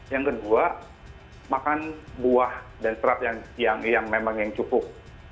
yang kedua makan buah dan serat yang memang yang cukup